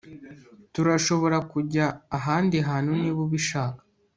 Turashobora kujya ahandi hantu niba ubishaka